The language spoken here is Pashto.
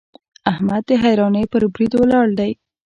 احمد د حيرانۍ پر بريد ولاړ دی.